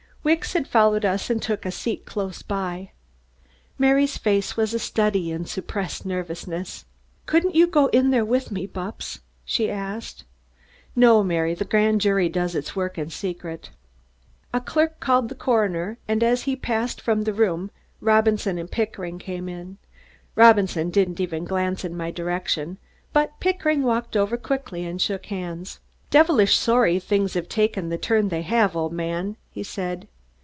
Wicks had followed us and took a seat close by. Mary's face was a study in suppressed nervousness. "Couldn't you go in there with me, Bupps?" she asked. "No, Mary, the grand jury does its work in secret." A clerk called the coroner and as he passed from the room, Robinson and Pickering came in. Robinson didn't even glance in my direction, but Pickering walked over quickly and shook hands. "Devilish sorry things have taken the turn they have, old man," he said.